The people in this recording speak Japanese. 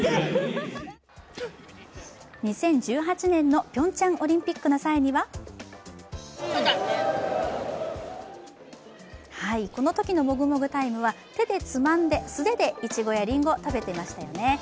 ２０１８年のピョンチャンオリンピックの際にはこのときのもぐもぐタイムは手でつまんで、素手でいちごやりんごを食べていましたよね。